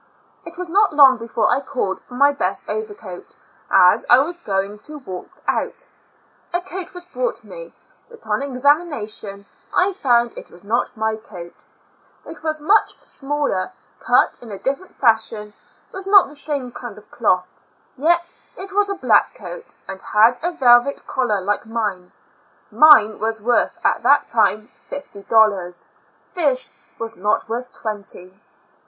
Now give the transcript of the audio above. It was not long before I called for my best overcoat, as I was going to walk out. A coat was brought me, but on examination, I found it was not my coat; it was much smaller, cut in a different fashion; was not the same kind of cloth; yet it was a black coat, and had a velvet collar like mine; mine was worth at that time fifty dollars; this was not worth twenty.